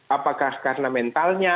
apakah karena mentalnya